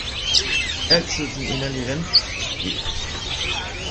Altid din inderlige ven, ib